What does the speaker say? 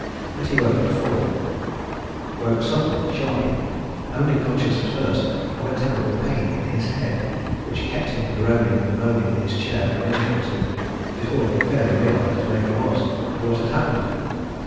But he woke at four woke suddenly, sharply, only conscious at first of a terrible pain in his head, which kept him groaning and moaning in his chair for a minute or two before he fairly realized where he was and what had happened.